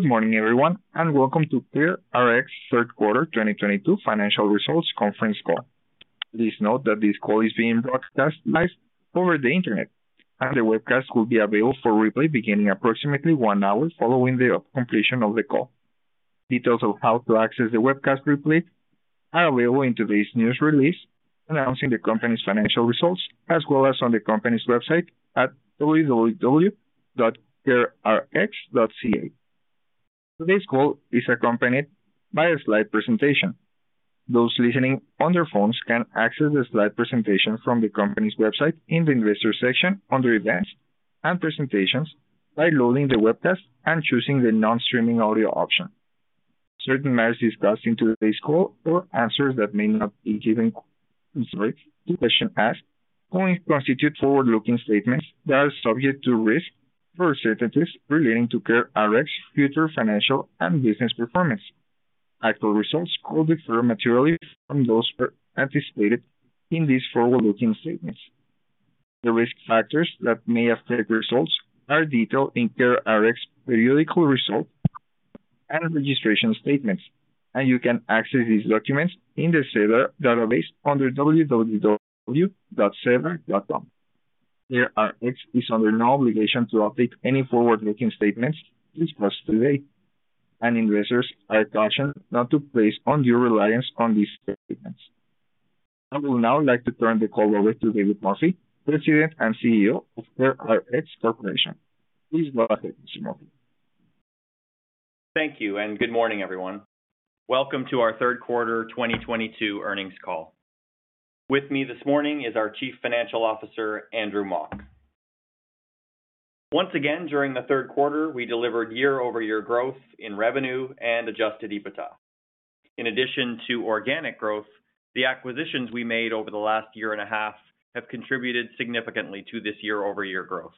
Good morning everyone, and welcome to CareRx third quarter 2022 financial results conference call. Please note that this call is being broadcast live over the Internet, and the webcast will be available for replay beginning approximately one hour following the completion of the call. Details of how to access the webcast replay are available in today's news release, announcing the company's financial results as well as on the company's website at www.carerx.ca. Today's call is accompanied by a slide presentation. Those listening on their phones can access the slide presentation from the company's website in the investor section under events and presentations by loading the webcast and choosing the non-streaming audio option. Certain matters discussed in today's call or answers that may be given in response to questions asked only constitute forward-looking statements that are subject to risks and uncertainties relating to CareRx's future financial and business performance. Actual results could differ materially from those anticipated in these forward-looking statements. The risk factors that may affect results are detailed in CareRx periodic results and registration statements. You can access these documents in the SEDAR database under www.sedar.com. CareRx is under no obligation to update any forward-looking statements discussed today. Investors are cautioned not to place undue reliance on these statements. I would now like to turn the call over to David Murphy, President and CEO of CareRx Corporation. Please go ahead, Mr. Murphy. Thank you, and good morning, everyone. Welcome to our third quarter 2022 earnings call. With me this morning is our Chief Financial Officer, Andrew Mok. Once again, during the third quarter, we delivered year-over-year growth in revenue and adjusted EBITDA. In addition to organic growth, the acquisitions we made over the last 1.5 year Have contributed significantly to this year-over-year growth.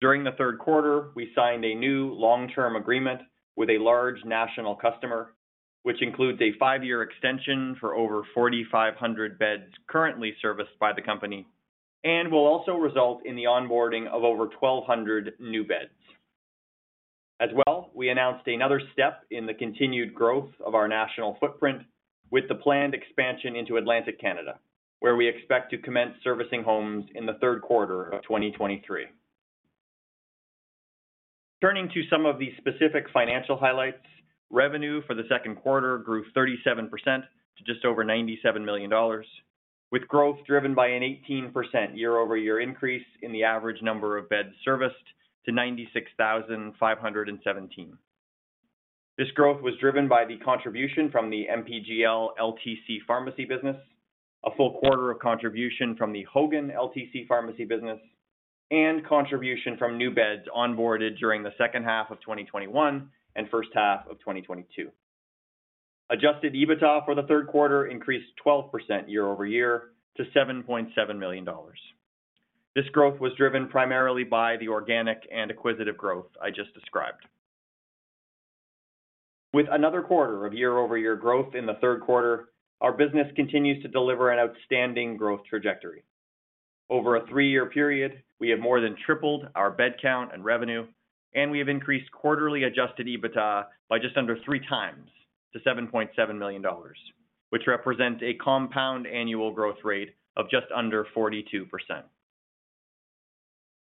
During the third quarter, we signed a new long-term agreement with a large national customer, which includes a 5-year extension for over 4,500 beds currently serviced by the company and will also result in the onboarding of over 1,200 new beds. As well, we announced another step in the continued growth of our national footprint with the planned expansion into Atlantic Canada, where we expect to commence servicing homes in the third quarter of 2023. Turning to some of the specific financial highlights, revenue for the second quarter grew 37% to just over 97 million dollars, with growth driven by an 18% year-over-year increase in the average number of beds serviced to 96,517. This growth was driven by the contribution from the MPGL LTC pharmacy business, a full quarter of contribution from the Hogan LTC Pharmacy Business, and contribution from new beds onboarded during the second half of 2021 and first half of 2022. Adjusted EBITDA for the third quarter increased 12% year-over-year to 7.7 million dollars. This growth was driven primarily by the organic and acquisitive growth I just described. With another quarter of year-over-year growth in the third quarter, our business continues to deliver an outstanding growth trajectory. Over a three-year period, we have more than tripled our bed count and revenue, and we have increased quarterly adjusted EBITDA by just under three times to 7.7 million dollars, which represents a compound annual growth rate of just under 42%.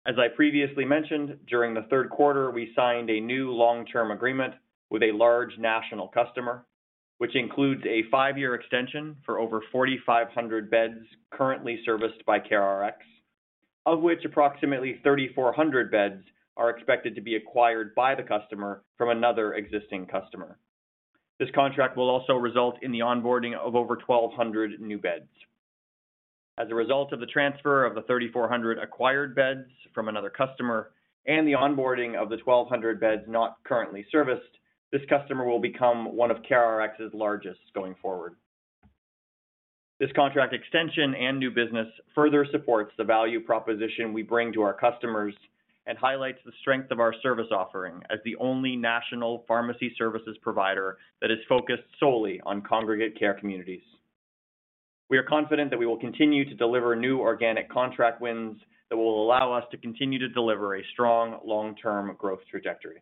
As I previously mentioned, during the third quarter, we signed a new long-term agreement with a large national customer, which includes a five-year extension for over 4,500 beds currently serviced by CareRx, of which approximately 3,400 beds are expected to be acquired by the customer from another existing customer. This contract will also result in the onboarding of over 1,200 new beds. As a result of the transfer of the 3,400 acquired beds from another customer and the onboarding of the 1,200 beds not currently serviced, this customer will become one of CareRx's largest going forward. This contract extension and new business further supports the value proposition we bring to our customers and highlights the strength of our service offering as the only national pharmacy services provider that is focused solely on congregate care communities. We are confident that we will continue to deliver new organic contract wins that will allow us to continue to deliver a strong long-term growth trajectory.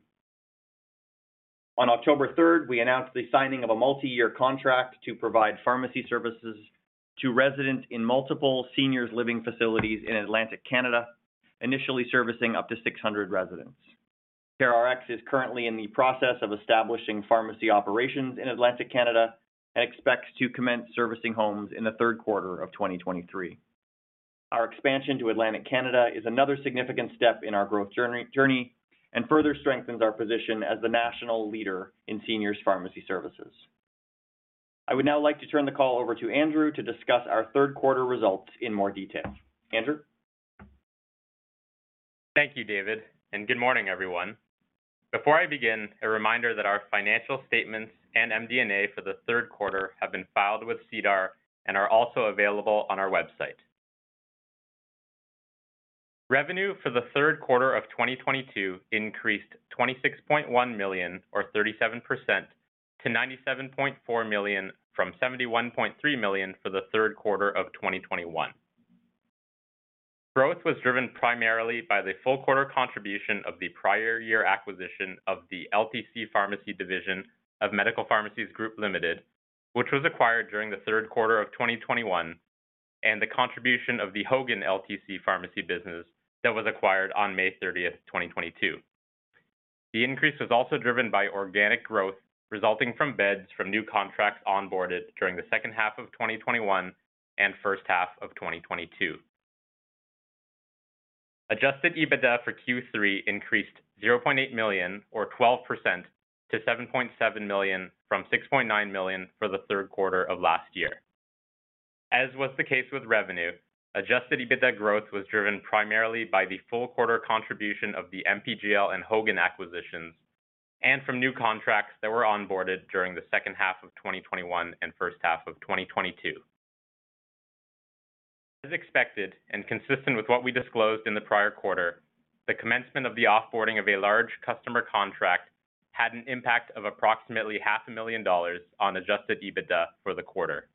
On October 3rd, we announced the signing of a multi-year contract to provide pharmacy services to residents in multiple seniors living facilities in Atlantic Canada, initially servicing up to 600 residents. CareRx is currently in the process of establishing pharmacy operations in Atlantic Canada and expects to commence servicing homes in the third quarter of 2023. Our expansion to Atlantic Canada is another significant step in our growth journey and further strengthens our position as the national leader in seniors pharmacy services. I would now like to turn the call over to Andrew to discuss our third quarter results in more detail. Andrew. Thank you, David, and good morning, everyone. Before I begin, a reminder that our financial statements and MD&A for the third quarter have been filed with SEDAR and are also available on our website. Revenue for the third quarter of 2022 increased 26.1 million or 37% to 97.4 million from 71.3 million for the third quarter of 2021. Growth was driven primarily by the full quarter contribution of the prior year acquisition of the LTC Pharmacy division of Medical Pharmacies Group Limited, which was acquired during the third quarter of 2021, and the contribution of the Hogan Pharmacy Partners Ltd. business that was acquired on May 30th, 2022. The increase was driven by organic growth resulting from beds from new contracts onboarded during the second half of 2021 and first half of 2022. Adjusted EBITDA for Q3 increased 0.8 million or 12% to 7.7 million from 6.9 million for the third quarter of last year. As was the case with revenue, adjusted EBITDA growth was driven primarily by the full quarter contribution of the MPGL LTC Pharmacy Business and Hogan LTC Pharmacy Business acquisitions and from new contracts that were onboarded during the second half of 2021 and first half of 2022. As expected and consistent with what we disclosed in the prior quarter, the commencement of the off-boarding of a large customer contract had an impact of approximately 500,000 dollars on adjusted EBITDA for the quarter.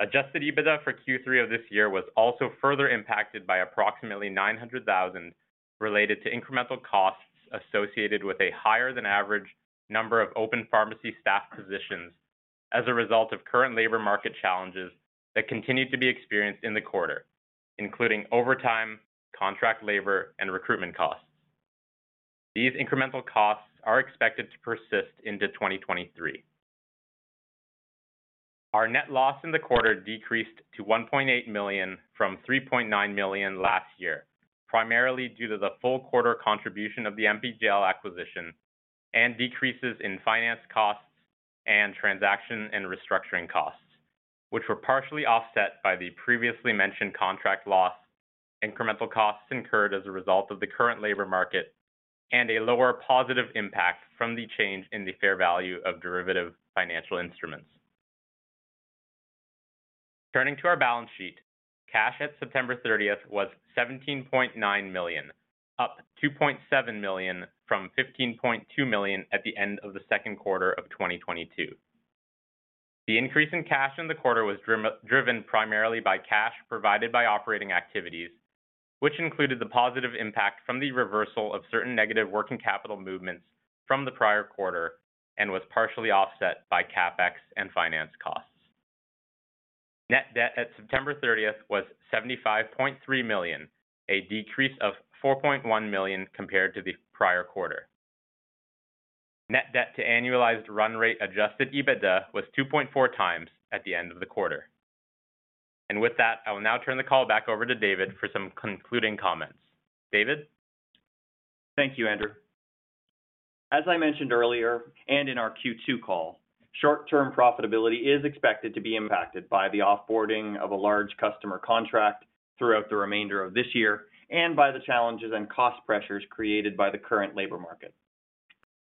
Adjusted EBITDA for Q3 of this year was also further impacted by approximately 900,000 related to incremental costs associated with a higher than average number of open pharmacy staff positions as a result of current labor market challenges that continued to be experienced in the quarter, including overtime, contract labor, and recruitment costs. These incremental costs are expected to persist into 2023. Our net loss in the quarter decreased to 1.8 million from 3.9 million last year, primarily due to the full quarter contribution of the MPGL LTC Pharmacy Business acquisition and decreases in finance costs and transaction and restructuring costs, which were partially offset by the previously mentioned contract loss, incremental costs incurred as a result of the current labor market, and a lower positive impact from the change in the fair value of derivative financial instruments. Turning to our balance sheet, cash at September 30th was 17.9 million, up 2.7 million from 15.2 million at the end of the second quarter of 2022. The increase in cash in the quarter was driven primarily by cash provided by operating activities, which included the positive impact from the reversal of certain negative working capital movements from the prior quarter and was partially offset by CapEx and finance costs. Net debt at September 30th was 75.3 million, a decrease of 4.1 million compared to the prior quarter. Net debt to annualized run rate adjusted EBITDA was 2.4x at the end of the quarter. With that, I will now turn the call back over to David for some concluding comments. David. Thank you, Andrew. As I mentioned earlier, and in our Q2 call, short-term profitability is expected to be impacted by the off-boarding of a large customer contract throughout the remainder of this year and by the challenges and cost pressures created by the current labor market.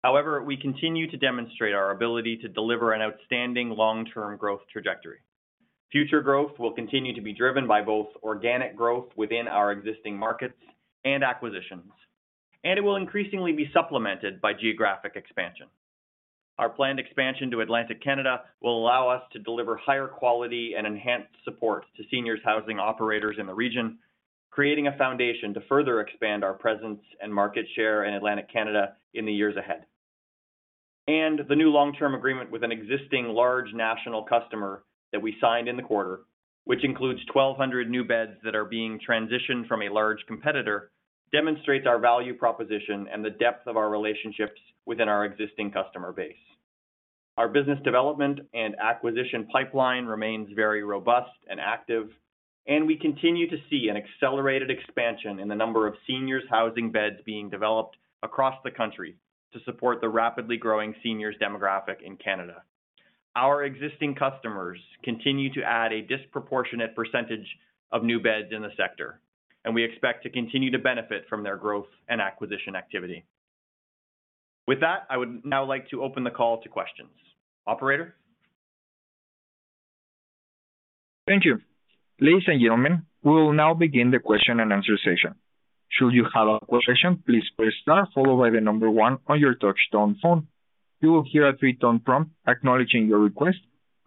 However, we continue to demonstrate our ability to deliver an outstanding long-term growth trajectory. Future growth will continue to be driven by both organic growth within our existing markets and acquisitions, and it will increasingly be supplemented by geographic expansion. Our planned expansion to Atlantic Canada will allow us to deliver higher quality and enhanced support to seniors housing operators in the region, creating a foundation to further expand our presence and market share in Atlantic Canada in the years ahead. The new long-term agreement with an existing large national customer that we signed in the quarter, which includes 1,200 new beds that are being transitioned from a large competitor, demonstrates our value proposition and the depth of our relationships within our existing customer base. Our business development and acquisition pipeline remains very robust and active, and we continue to see an accelerated expansion in the number of seniors housing beds being developed across the country to support the rapidly growing seniors demographic in Canada. Our existing customers continue to add a disproportionate percentage of new beds in the sector, and we expect to continue to benefit from their growth and acquisition activity. With that, I would now like to open the call to questions. Operator. Thank you. Ladies and gentlemen, we will now begin the question and answer session. Should you have a question, please press star followed by the number one on your touch tone phone. You will hear a 3-tone prompt acknowledging your request,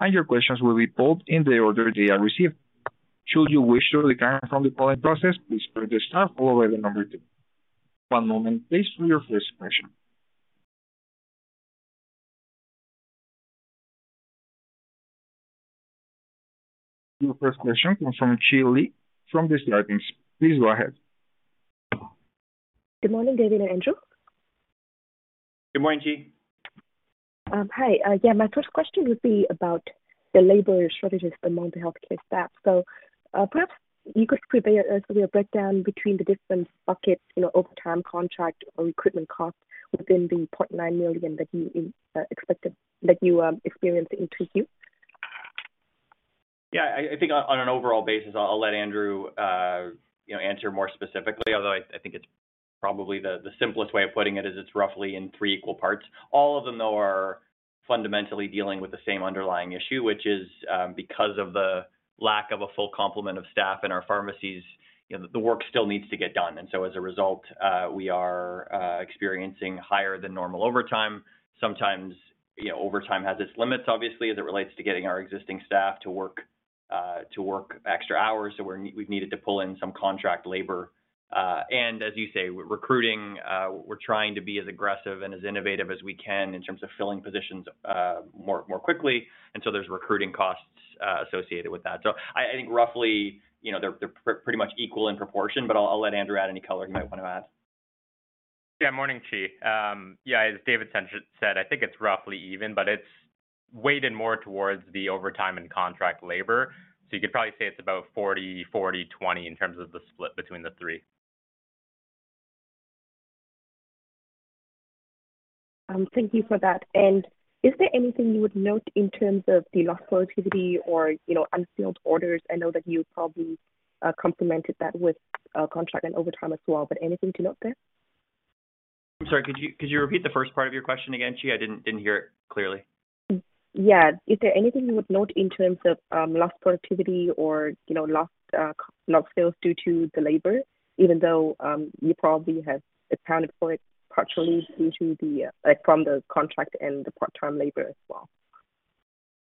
and your questions will be pulled in the order they are received. Should you wish to withdraw from the polling process, please press star followed by the number two. One moment please for your first question. Your first question comes from Chi Le from Desjardins Capital Markets. Please go ahead. Good morning, David and Andrew. Good morning, Chi. Hi. Yeah, my first question would be about the labor shortages among the healthcare staff. Perhaps you could provide us with a breakdown between the different buckets, you know, overtime contract or recruitment costs within the 0.9 million that you experienced in Q2. Yeah, I think on an overall basis, I'll let Andrew you know answer more specifically, although I think it's probably the simplest way of putting it is it's roughly in three equal parts. All of them, though, are fundamentally dealing with the same underlying issue, which is because of the lack of a full complement of staff in our pharmacies, you know, the work still needs to get done. As a result, we are experiencing higher than normal overtime. Sometimes, you know, overtime has its limits, obviously, as it relates to getting our existing staff to work extra hours, so we've needed to pull in some contract labor. As you say, we're recruiting, we're trying to be as aggressive and as innovative as we can in terms of filling positions more quickly. There's recruiting costs associated with that. I think roughly, you know, they're pretty much equal in proportion, but I'll let Andrew add any color he might wanna add. Yeah. Morning, Chi. Yeah, as David said, I think it's roughly even. It's weighted more towards the overtime and contract labor. You could probably say it's about 40/40/20 in terms of the split between the three. Thank you for that. Is there anything you would note in terms of the lost productivity or, you know, unfilled orders? I know that you probably complemented that with contract and overtime as well, but anything to note there? I'm sorry. Could you repeat the first part of your question again, Chi? I didn't hear it clearly. Yeah. Is there anything you would note in terms of lost productivity or, you know, lost sales due to the labor, even though you probably have accounted for it partially due to the like from the contract and the part-time labor as well?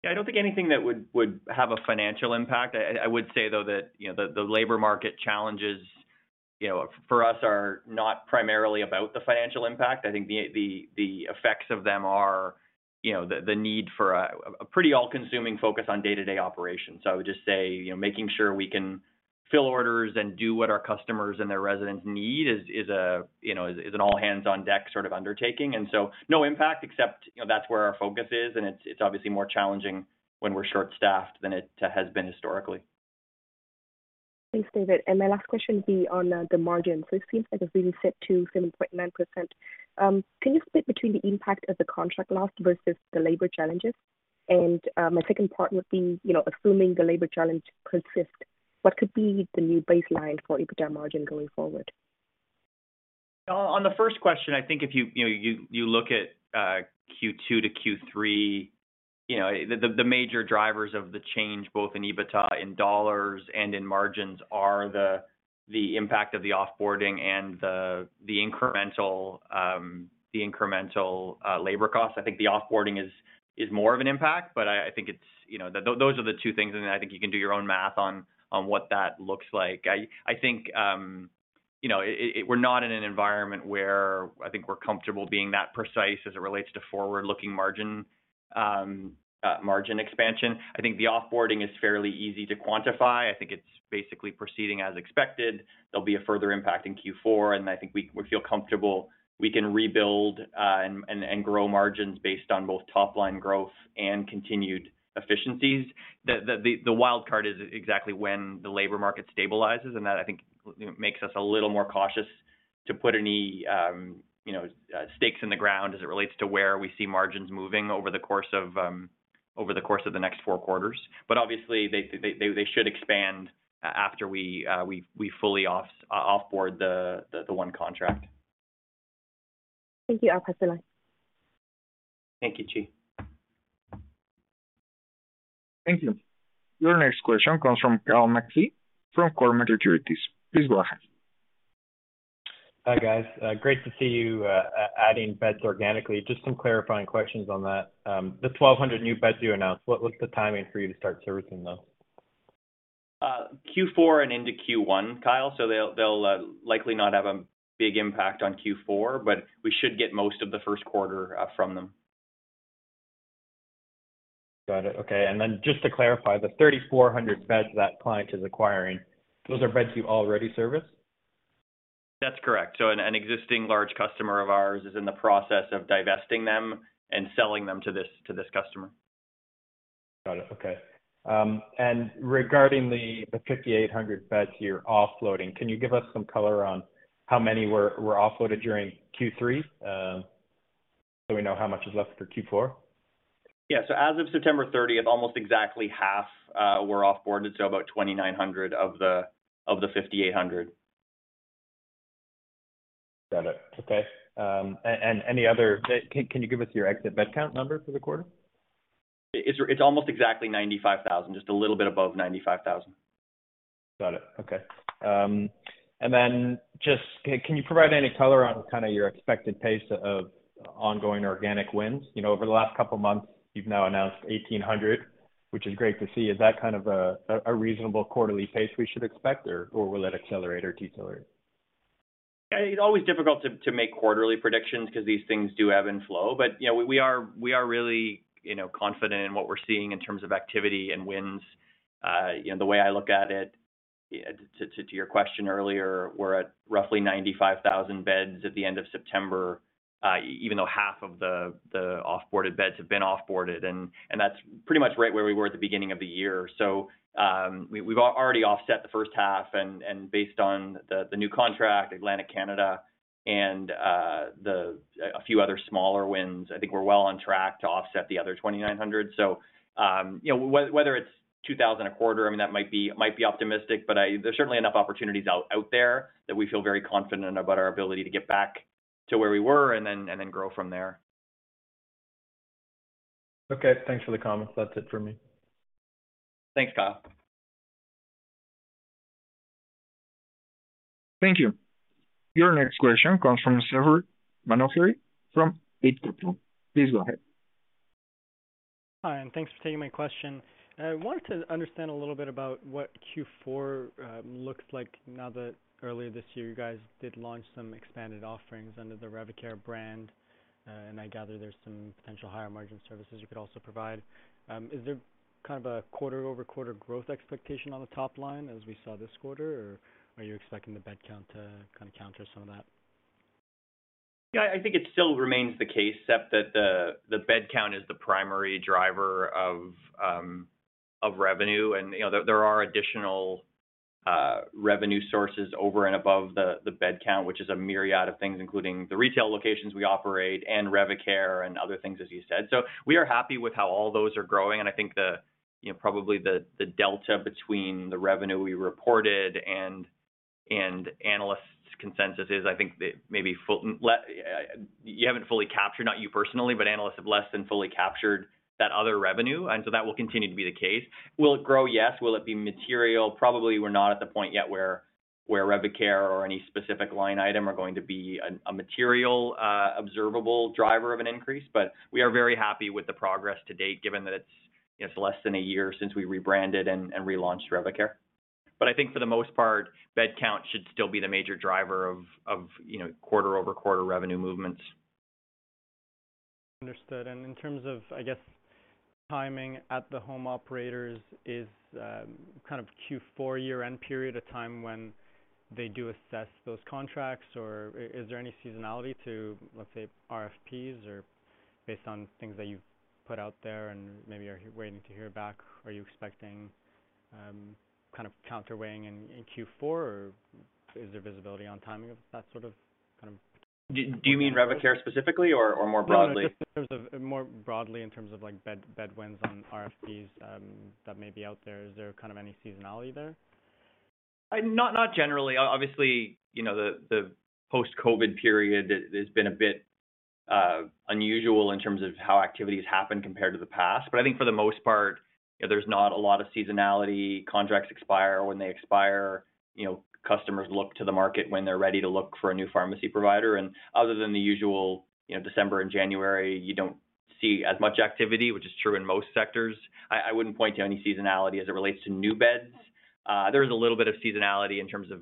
Yeah, I don't think anything that would have a financial impact. I would say though that, you know, the labor market challenges, you know, for us are not primarily about the financial impact. I think the effects of them are, you know, the need for a pretty all-consuming focus on day-to-day operations. I would just say, you know, making sure we can fill orders and do what our customers and their residents need is a you know is an all hands on deck sort of undertaking. No impact except, you know, that's where our focus is, and it's obviously more challenging when we're short-staffed than it has been historically. Thanks, David. My last question would be on the margin. It seems like it's really set to 7.9%. Can you split between the impact of the contract loss versus the labor challenges? My second part would be, you know, assuming the labor challenges persist, what could be the new baseline for EBITDA margin going forward? On the first question, I think if you know look at Q2 to Q3, you know, the major drivers of the change both in EBITDA in dollars and in margins are the impact of the off-boarding and the incremental labor costs. I think the off-boarding is more of an impact, but I think it's you know. Those are the two things and I think you can do your own math on what that looks like. I think you know we're not in an environment where I think we're comfortable being that precise as it relates to forward-looking margin expansion. I think the off-boarding is fairly easy to quantify. I think it's basically proceeding as expected. There'll be a further impact in Q4, and I think we feel comfortable we can rebuild and grow margins based on both top line growth and continued efficiencies. The wild card is exactly when the labor market stabilizes, and that, I think, you know, makes us a little more cautious to put any stakes in the ground as it relates to where we see margins moving over the course of the next four quarters. Obviously, they should expand after we fully off-board the one contract. Thank you. I'll pass the line. Thank you, Chi. Thank you. Your next question comes from Kyle McPhee from Cormark Securities. Please go ahead. Hi, guys. Great to see you adding beds organically. Just some clarifying questions on that. The 1,200 new beds you announced, what's the timing for you to start servicing those? Q4 and into Q1, Kyle. They'll likely not have a big impact on Q4, but we should get most of the first quarter from them. Got it. Okay. Just to clarify, the 3,400 beds that client is acquiring, those are beds you already service? That's correct. An existing large customer of ours is in the process of divesting them and selling them to this customer. Got it. Okay. Regarding the 5,800 beds you're offloading, can you give us some color on how many were offloaded during Q3, so we know how much is left for Q4? As of September 30th, almost exactly half were off-boarded, so about 2,900 beds of the 5,800 beds. Got it. Okay. Can you give us your exit bed count number for the quarter? It's almost exactly 95,000 beds. Just a little bit above 95,000 beds. Got it. Okay. Just can you provide any color on kinda your expected pace of ongoing organic wins? You know, over the last couple of months, you've now announced 1,800, which is great to see. Is that kind of a reasonable quarterly pace we should expect or will it accelerate or decelerate? It's always difficult to make quarterly predictions 'cause these things do ebb and flow. You know, we are really, you know, confident in what we're seeing in terms of activity and wins. You know, the way I look at it, to your question earlier, we're at roughly 95,000 beds at the end of September, even though half of the off-boarded beds have been off-boarded. That's pretty much right where we were at the beginning of the year. We've already offset the first half and based on the new contract, Atlantic Canada and a few other smaller wins, I think we're well on track to offset the other 2,900beds. You know, whether it's 2,000 beds a quarter, I mean, that might be optimistic, but there's certainly enough opportunities out there that we feel very confident about our ability to get back to where we were and then grow from there. Okay. Thanks for the comments. That's it for me. Thanks, Kyle. Thank you. Your next question comes from [Setha Kandasamy] from [Clarus Capital]. Please go ahead. Hi, and thanks for taking my question. I wanted to understand a little bit about what Q4 looks like now that earlier this year you guys did launch some expanded offerings under the Revicare brand. I gather there's some potential higher margin services you could also provide. Is there kind of a quarter-over-quarter growth expectation on the top line as we saw this quarter, or are you expecting the bed count to kinda counter some of that? Yeah, I think it still remains the case, [Seth], that the bed count is the primary driver of revenue. You know, there are additional revenue sources over and above the bed count, which is a myriad of things, including the retail locations we operate and Revicare and other things, as you said. We are happy with how all those are growing. I think you know, probably the delta between the revenue we reported and analysts' consensus is, I think that maybe you haven't fully captured, not you personally, but analysts have less than fully captured that other revenue, and so that will continue to be the case. Will it grow? Yes. Will it be material? Probably we're not at the point yet where Revicare or any specific line item are going to be a material, observable driver of an increase. We are very happy with the progress to date, given that it's, you know, it's less than a year since we rebranded and relaunched Revicare. I think for the most part, bed count should still be the major driver of, you know, quarter-over-quarter revenue movements. Understood. In terms of, I guess, timing at the home operators, is kind of Q4 year-end period a time when they do assess those contracts or is there any seasonality to, let's say, RFPs or based on things that you've put out there and maybe are waiting to hear back, are you expecting kind of counterweighing in Q4 or is there visibility on timing of that sort of kind of? Do you mean Revicare specifically or more broadly? No, just in terms of more broadly in terms of like bid wins on RFPs that may be out there. Is there kind of any seasonality there? Not generally. Obviously, you know, the post-COVID period has been a bit unusual in terms of how activities happen compared to the past. I think for the most part, you know, there's not a lot of seasonality. Contracts expire when they expire. You know, customers look to the market when they're ready to look for a new pharmacy provider. Other than the usual, you know, December and January, you don't see as much activity, which is true in most sectors. I wouldn't point to any seasonality as it relates to new beds. There is a little bit of seasonality in terms of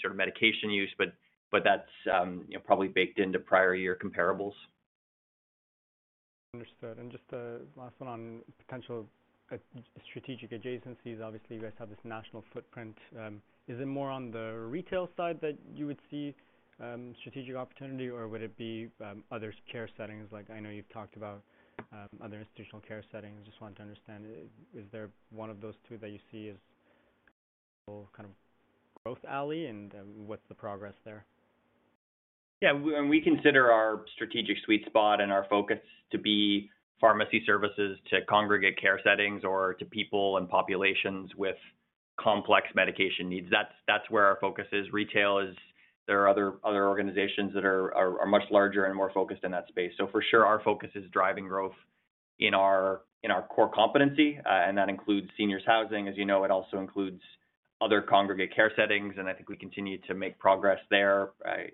sort of medication use, but that's, you know, probably baked into prior year comparables. Understood. Just a last one on potential strategic adjacencies. Obviously, you guys have this national footprint. Is it more on the retail side that you would see strategic opportunity or would it be other care settings like I know you've talked about other institutional care settings? Just wanted to understand, is there one of those two that you see as kind of growth area and what's the progress there? Yeah. We consider our strategic sweet spot and our focus to be pharmacy services to congregate care settings or to people and populations with complex medication needs. That's where our focus is. Retail is, there are other organizations that are much larger and more focused in that space. For sure our focus is driving growth in our core competency, and that includes seniors housing. As you know, it also includes other congregate care settings, and I think we continue to make progress there,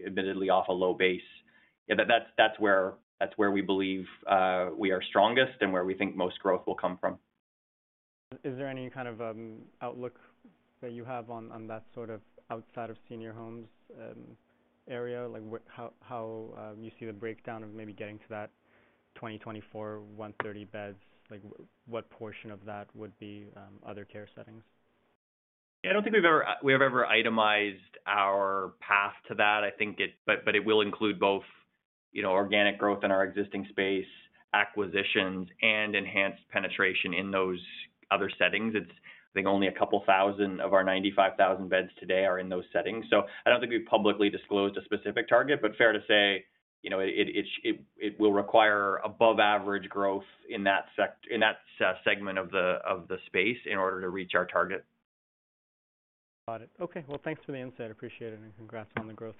admittedly off a low base. Yeah, that's where we believe we are strongest and where we think most growth will come from. Is there any kind of outlook that you have on that sort of outside of senior homes area? Like how you see the breakdown of maybe getting to that 2024 130,000 beds? Like what portion of that would be other care settings? I don't think we've ever itemized our path to that. I think it but it will include both, you know, organic growth in our existing space, acquisitions and enhanced penetration in those other settings. It's, I think only a couple thousand of our 95,000 beds today are in those settings. I don't think we've publicly disclosed a specific target, but fair to say, you know, it will require above average growth in that segment of the space in order to reach our target. Got it. Okay. Well, thanks for the insight. Appreciate it, and congrats on the growth.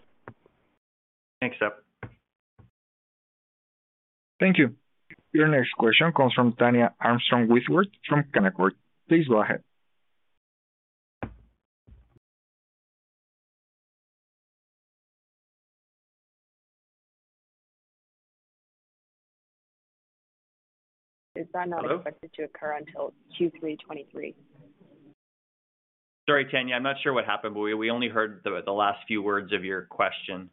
Thanks, [Seth]. Thank you. Your next question comes from Tania Armstrong-Whitworth from Canaccord Genuity. Please go ahead. Hello? Is that not expected to occur until Q3 2023? Sorry, Tania. I'm not sure what happened, but we only heard the last few words of your question.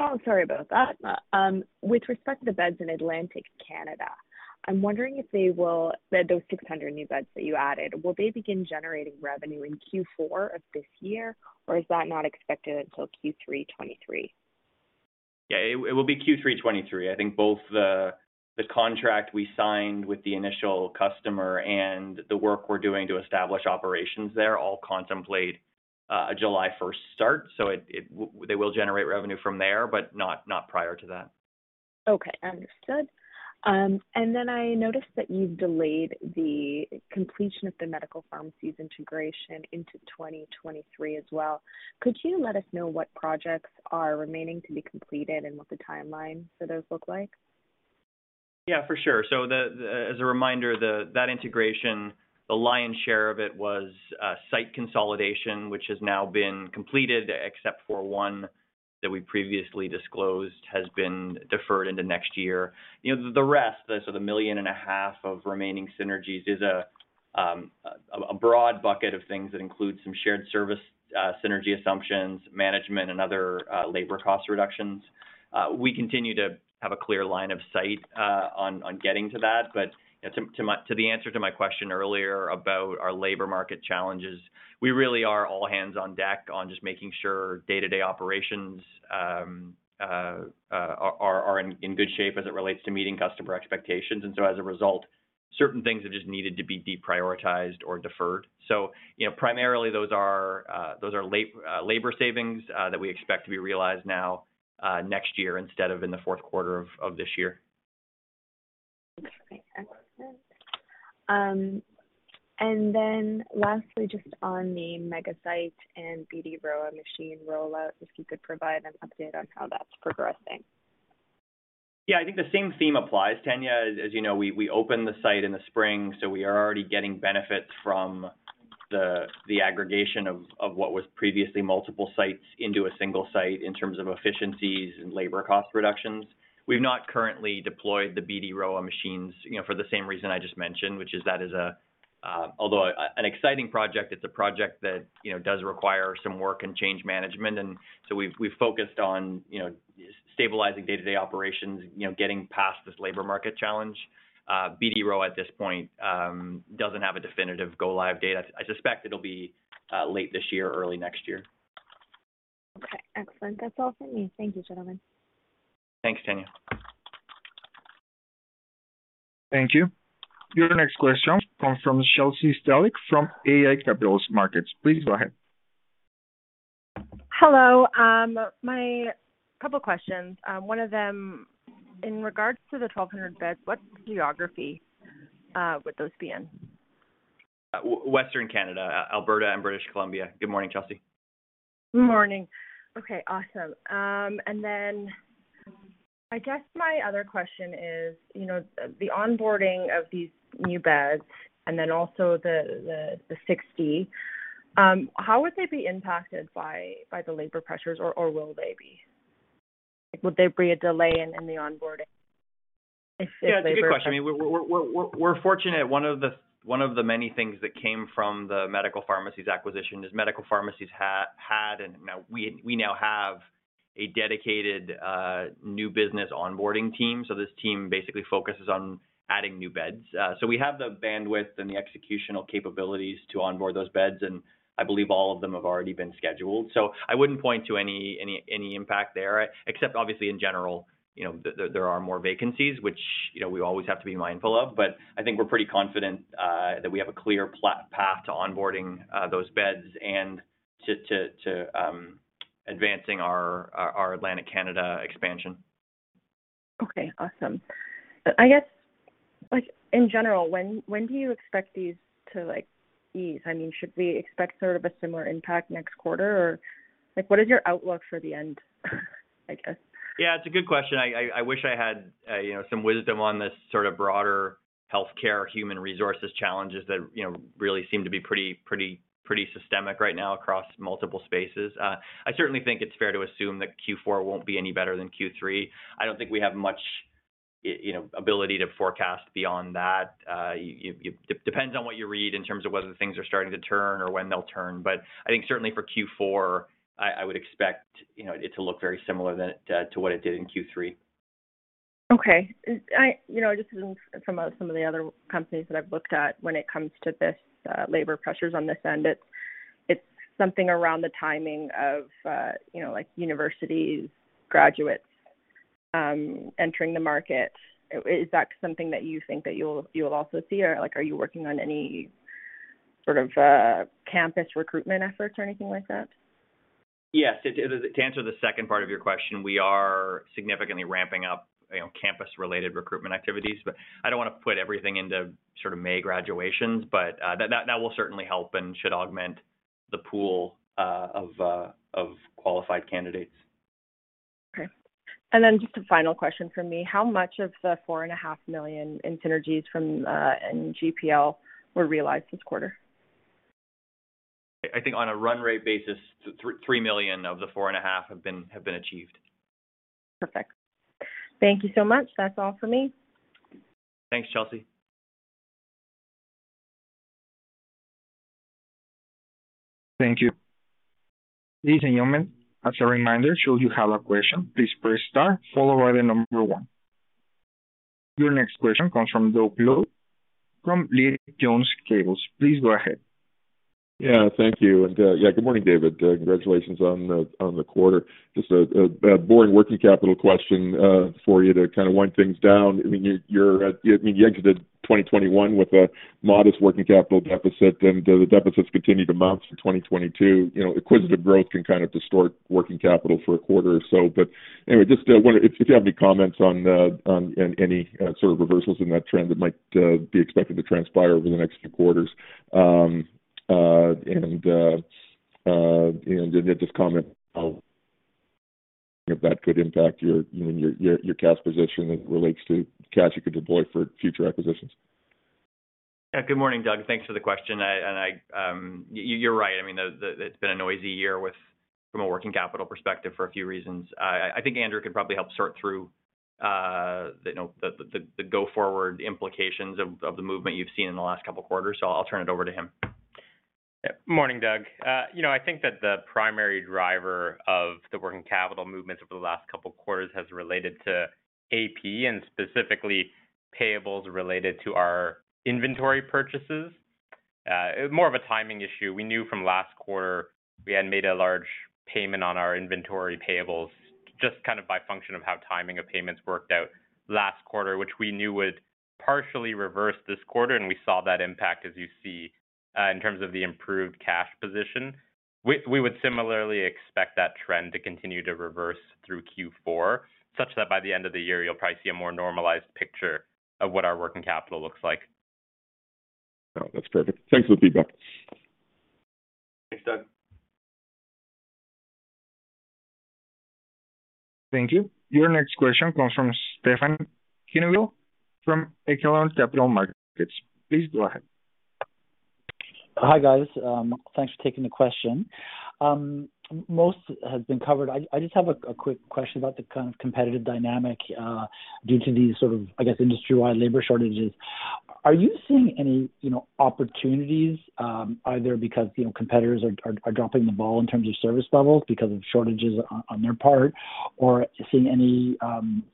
Oh, sorry about that. With respect to the beds in Atlantic Canada, I'm wondering if those 600 new beds that you added will begin generating revenue in Q4 of this year, or is that not expected until Q3 2023? Yeah. It will be Q3 2023. I think both the contract we signed with the initial customer and the work we're doing to establish operations there all contemplate a July 1st start. They will generate revenue from there, but not prior to that. Okay. Understood. I noticed that you've delayed the completion of the Medical Pharmacies integration into 2023 as well. Could you let us know what projects are remaining to be completed and what the timeline for those look like? Yeah, for sure. As a reminder, that integration, the lion's share of it was site consolidation, which has now been completed, except for one that we previously disclosed has been deferred into next year. You know, the rest, the 1.5 million of remaining synergies is a broad bucket of things that includes some shared service synergy assumptions, management and other labor cost reductions. We continue to have a clear line of sight on getting to that. But to the answer to my question earlier about our labor market challenges, we really are all hands on deck on just making sure day-to-day operations are in good shape as it relates to meeting customer expectations. As a result, certain things have just needed to be deprioritized or deferred. You know, primarily those are labor savings that we expect to be realized now, next year instead of in the fourth quarter of this year. Okay, excellent. Lastly, just on the mega site and BD Rowa machine rollout, if you could provide an update on how that's progressing? Yeah. I think the same theme applies, Tania. As you know, we opened the site in the spring, so we are already getting benefits from the aggregation of what was previously multiple sites into a single site in terms of efficiencies and labor cost reductions. We've not currently deployed the BD Rowa machines, you know, for the same reason I just mentioned, which is although an exciting project, it's a project that, you know, does require some work and change management. We've focused on, you know, stabilizing day-to-day operations, you know, getting past this labor market challenge. BD Rowa at this point doesn't have a definitive go-live date. I suspect it'll be late this year or early next year. Okay, excellent. That's all for me. Thank you, gentlemen. Thanks, Tania. Thank you. Your next question comes from Chelsea Stellick from iA Capital Markets. Please go ahead. Hello. Couple questions. One of them in regards to the 1,200 beds, what geography would those be in? Western Canada, Alberta and British Columbia. Good morning, Chelsea. Morning. Okay, awesome. I guess my other question is, you know, the onboarding of these new beds and then also the 60, how would they be impacted by the labor pressures or will they be? Would there be a delay in the onboarding if labor pressures? Yeah, it's a good question. I mean, we're fortunate. One of the many things that came from the Medical Pharmacies acquisition is Medical Pharmacies had, and now we have a dedicated new business onboarding team. This team basically focuses on adding new beds. We have the bandwidth and the executional capabilities to onboard those beds, and I believe all of them have already been scheduled. I wouldn't point to any impact there, except obviously in general, you know, there are more vacancies which, you know, we always have to be mindful of. I think we're pretty confident that we have a clear path to onboarding those beds and to advancing our Atlantic Canada expansion. Okay, awesome. I guess, like, in general, when do you expect these to, like, ease? I mean, should we expect sort of a similar impact next quarter or like, what is your outlook for the end, I guess? Yeah, it's a good question. I wish I had, you know, some wisdom on this sort of broader healthcare human resources challenges that, you know, really seem to be pretty systemic right now across multiple spaces. I certainly think it's fair to assume that Q4 won't be any better than Q3. I don't think we have much, you know, ability to forecast beyond that. It depends on what you read in terms of whether things are starting to turn or when they'll turn. I think certainly for Q4, I would expect, you know, it to look very similar to what it did in Q3. Okay. You know, just from some of the other companies that I've looked at when it comes to this, labor pressures on this end, it's something around the timing of, you know, like universities, graduates, entering the market. Is that something that you think that you'll also see or like are you working on any sort of, campus recruitment efforts or anything like that? Yes. To answer the second part of your question, we are significantly ramping up, you know, campus-related recruitment activities. I don't wanna put everything into sort of May graduations, but that will certainly help and should augment the pool of qualified candidates. Okay. Just a final question from me. How much of the 4.5 million in synergies from MPGL LTC Pharmacy Business were realized this quarter? I think on a run rate basis, 3 million of the 4.5 million have been achieved. Perfect. Thank you so much. That's all for me. Thanks, Chelsea. Thank you. Ladies and gentlemen, as a reminder, should you have a question, please press star followed by the number one. Your next question comes from Doug Loe from Leede Jones Gable. Please go ahead. Yeah, thank you. Yeah, good morning, David. Congratulations on the quarter. Just a boring working capital question for you to kind of wind things down. I mean, you exited 2021 with a modest working capital deficit, and the deficits continued to mount for 2022. You know, acquisitive growth can kind of distort working capital for a quarter or so. But anyway, just wonder if you have any comments on any sort of reversals in that trend that might be expected to transpire over the next few quarters. Just comment on if that could impact your, you know, your cash position as it relates to cash you could deploy for future acquisitions. Yeah. Good morning, Doug. Thanks for the question. You're right. I mean, it's been a noisy year with from a working capital perspective for a few reasons. I think Andrew could probably help sort through the you know go forward implications of the movement you've seen in the last couple quarters. So I'll turn it over to him. Yeah. Morning, Doug. You know, I think that the primary driver of the working capital movements over the last couple quarters has related to AP and specifically payables related to our inventory purchases. More of a timing issue. We knew from last quarter we had made a large payment on our inventory payables just kind of by function of how timing of payments worked out last quarter, which we knew would partially reverse this quarter, and we saw that impact as you see in terms of the improved cash position. We would similarly expect that trend to continue to reverse through Q4, such that by the end of the year you'll probably see a more normalized picture of what our working capital looks like. No, that's perfect. Thanks for the feedback. Thanks, Doug. Thank you. Your next question comes from Stefan Quenneville from Echelon Capital Markets. Please go ahead. Hi, guys. Thanks for taking the question. Most has been covered. I just have a quick question about the kind of competitive dynamic due to these sort of, I guess, industry-wide labor shortages. Are you seeing any, you know, opportunities, either because, you know, competitors are dropping the ball in terms of service levels because of shortages on their part, or seeing any,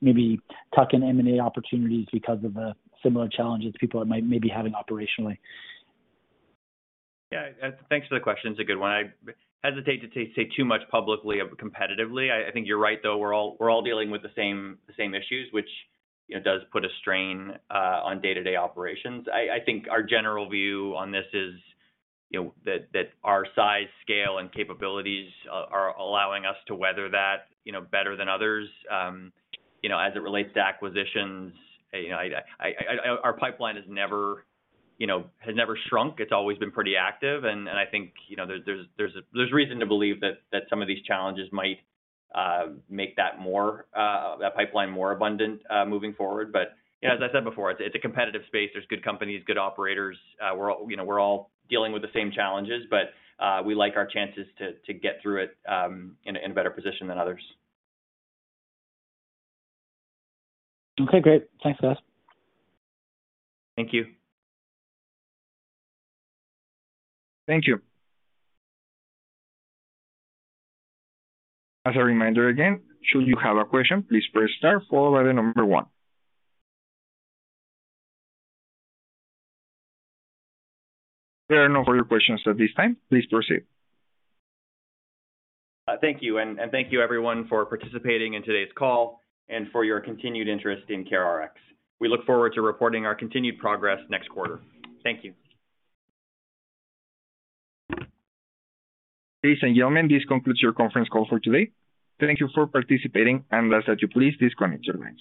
maybe tuck-in M&A opportunities because of the similar challenges people might maybe having operationally? Thanks for the question. It's a good one. I hesitate to say too much publicly or competitively. I think you're right, though, we're all dealing with the same issues, which, you know, does put a strain on day-to-day operations. I think our general view on this is, you know, that our size, scale, and capabilities are allowing us to weather that, you know, better than others. You know, as it relates to acquisitions, you know, our pipeline has never, you know, shrunk. It's always been pretty active. I think, you know, there's reason to believe that some of these challenges might make that pipeline more abundant moving forward. You know, as I said before, it's a competitive space. There's good companies, good operators. We're all, you know, dealing with the same challenges, but we like our chances to get through it in a better position than others. Okay, great. Thanks, guys. Thank you. Thank you. As a reminder again, should you have a question, please press star followed by the number one. There are no further questions at this time. Please proceed. Thank you. Thank you everyone for participating in today's call and for your continued interest in CareRx. We look forward to reporting our continued progress next quarter. Thank you. Ladies and gentlemen, this concludes your conference call for today. Thank you for participating, and please disconnect your lines.